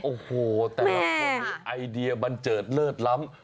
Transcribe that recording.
โอ้โหแต่ละคนมีไอเดียบันเจิดเลิศล้ำ